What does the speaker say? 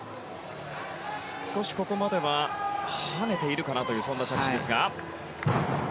少しここまでは跳ねているかなという着地。